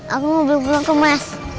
aku belum belum kemas